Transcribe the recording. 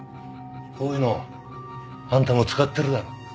こういうのあんたも使ってるだろ？